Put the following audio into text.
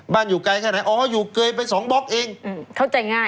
อยู่ไกลแค่ไหนอ๋ออยู่เกยไปสองบล็อกเองเข้าใจง่าย